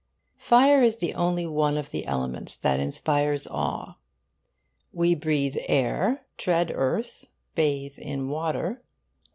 Fire is the only one of the elements that inspires awe. We breathe air, tread earth, bathe in water.